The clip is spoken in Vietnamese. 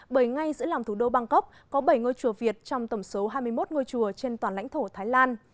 bởi ngay giữa lòng thủ đô bangkok có bảy ngôi chùa việt trong tổng số hai mươi một ngôi chùa trên toàn lãnh thổ thái lan